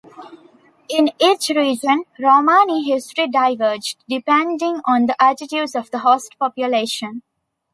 In each region, Romani history diverged, depending on the attitudes of the host population.